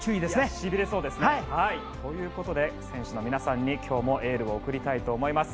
しびれそうですね。ということで選手の皆さんに今日もエールを送りたいと思います。